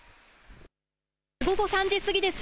午後３時過ぎです。